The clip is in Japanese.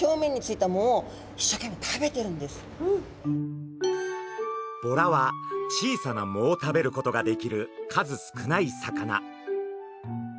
実はこのボラは小さな藻を食べることができる数少ない魚。